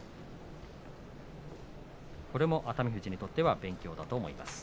これも熱海富士にとっては勉強だと思います。